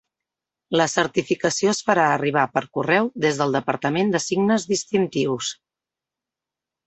La certificació es farà arribar per correu des del Departament de Signes Distintius.